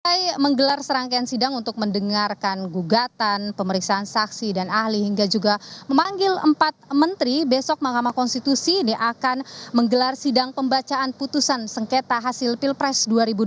kami menggelar serangkaian sidang untuk mendengarkan gugatan pemeriksaan saksi dan ahli hingga juga memanggil empat menteri besok mahkamah konstitusi ini akan menggelar sidang pembacaan putusan sengketa hasil pilpres dua ribu dua puluh